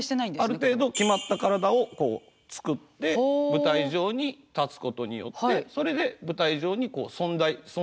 ある程度決まった体をこう作って舞台上に立つことによってそれで舞台上に存在する登場人物と。